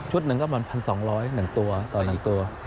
ชุดหนึ่งก็๑๒๐๐บาท๑ตัวต่อ๑ตัว